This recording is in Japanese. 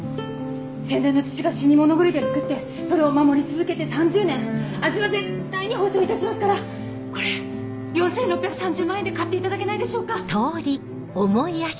先代の父が死に物狂いで作ってそれを守り続けて３０年味は絶対に保証いたしますからこれ４６３０万円で買っていただけないでしょうか？